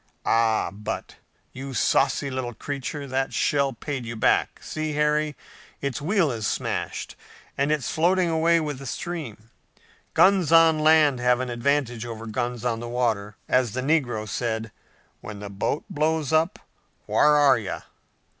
Ah, but, you saucy little creature, that shell paid you back! See, Harry, its wheel is smashed, and it's floating away with the stream! Guns on land have an advantage over guns on the water! As the negro said, 'When the boat blows up, whar are you?